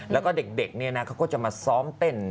แล้วก็เด็กเนี่ยนะเขาก็จะมาซ้อมเต้น